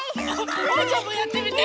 おうちゃんもやってみて。